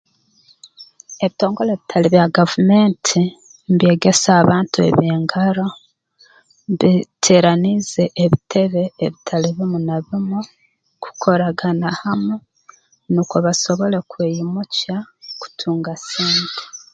Ebitongole ebitali bya gavumenti nibyegesa abantu eby'engaro byeteeraniize ebitebe ebitali bimu na bimu kukoragana hamu nukwo basobole kweyimukya kutunga sente